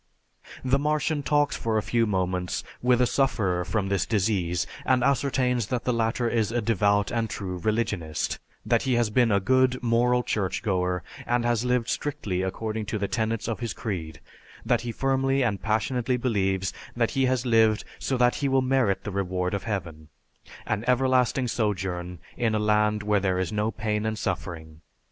The Martian talks for a few moments with a sufferer from this disease and ascertains that the latter is a devout and true religionist, that he has been a good, moral church goer, and has lived strictly according to the tenets of his creed, that he firmly and passionately believes that he has lived so that he will merit the reward of heaven, an everlasting sojourn in a land where there is no pain and suffering.